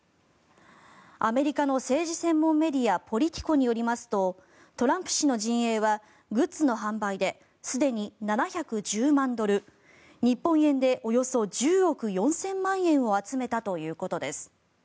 アメリカの政治専門メディアポリティコによりますとトランプ氏の陣営はグッズの販売ですでに７１０万ドル日本円でおよそ１０億４０００万円を集めたということです。